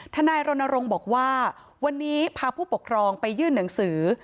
ทนายรณรงค์บอกว่าวันนี้พาผู้ปกครองไปยื่นหนังสือ